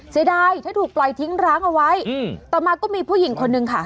เสียดายถ้าถูกปล่อยทิ้งร้างเอาไว้ต่อมาก็มีผู้หญิงคนนึงค่ะ